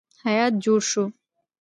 هیات جوړ شو.